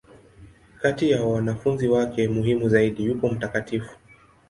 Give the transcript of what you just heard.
Kati ya wanafunzi wake muhimu zaidi, yupo Mt.